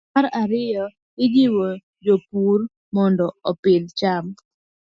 Mar ariyo, ijiwo jopur mondo opidh cham